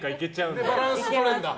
で、バランスとれるんだ。